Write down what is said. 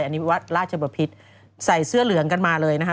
อันนี้วัดราชบพิษใส่เสื้อเหลืองกันมาเลยนะคะ